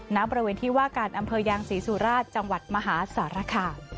ในประเวณที่ว่ากาศอำเภยางศรีสุราชจังหวัดมหาศรค